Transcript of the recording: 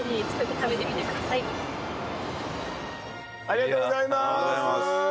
ありがとうございます！